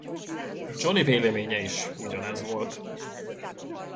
Johnny véleménye is ugyanez volt.